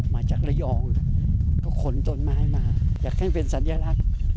มาจากระยองก็ขนต้นไม้มาอยากให้เป็นสัญลักษณ์